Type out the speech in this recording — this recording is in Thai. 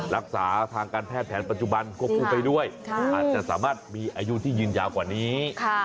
รักษาทางการแพทย์แผนปัจจุบันควบคู่ไปด้วยอาจจะสามารถมีอายุที่ยืนยาวกว่านี้